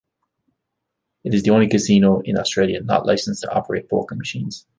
It is the only casino in Australia not licensed to operate poker machines.